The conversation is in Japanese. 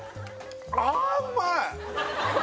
あうまい！